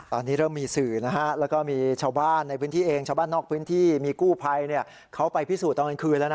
ตอนนี้เริ่มมีสื่อนะฮะแล้วก็มีชาวบ้านในพื้นที่เองชาวบ้านนอกพื้นที่มีกู้ภัยเขาไปพิสูจน์ตอนกลางคืนแล้วนะ